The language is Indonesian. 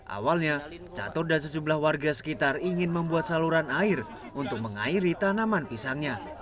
awalnya catur dan sejumlah warga sekitar ingin membuat saluran air untuk mengairi tanaman pisangnya